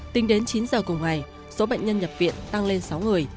tính đến chín giờ cùng ngày số bệnh nhân nhập viện tăng lên sáu người